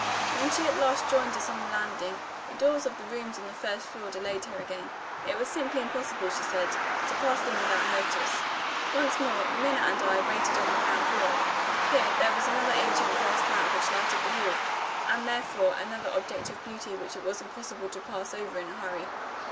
When she at last joined us on the landing, the doors of the rooms on the first floor delayed her again: it was simply impossible, she said, to pass them without notice. Once more, Minna and I waited on the ground floor. Here, there was another ancient brass lamp which lighted the hall; and, therefore, another object of beauty which it was impossible to pass over in a hurry.